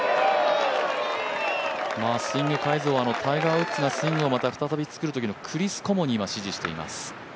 スイングを変えず、タイガー・ウッズがスイングするときのクリス・コモに今、指示しています。